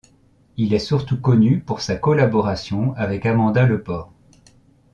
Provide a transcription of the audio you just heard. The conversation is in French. Il est surtout connu pour sa collaboration avec Amanda Lepore.